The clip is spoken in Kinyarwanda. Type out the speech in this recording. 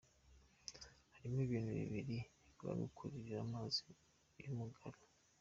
Harimo ibintu biri bugukururire amazi y’umugaru: